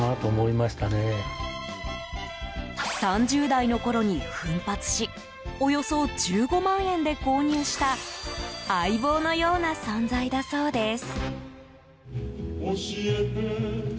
３０代のころに奮発しおよそ１５万円で購入した相棒のような存在だそうです。